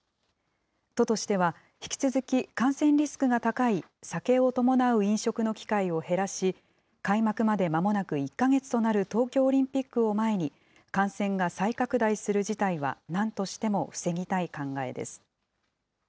都としては、引き続き感染リスクが高い酒を伴う飲食の機会を減らし、開幕までまもなく１か月となる東京オリンピックを前に、感染が再拡大する事態はなんとしても防ぎたい考えです。